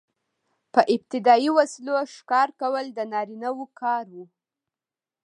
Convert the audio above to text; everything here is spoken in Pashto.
په ابتدايي وسلو ښکار کول د نارینه وو کار و.